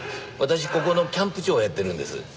私ここのキャンプ長をやっているんです。